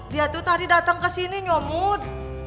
dia tuh tadi dateng ke sini nyomot